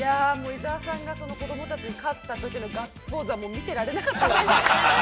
◆伊沢さんが、子供たちに勝ったときのガッツポーズは、見てられなかったですね。